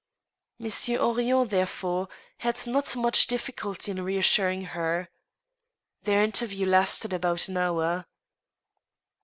Monsieur Henrion, therefore, had not much difficulty in reassur ing her. Their interview lasted about an hour.